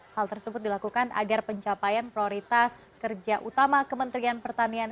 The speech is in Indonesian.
hal tersebut dilakukan agar pencapaian prioritas kerja utama kementerian pertanian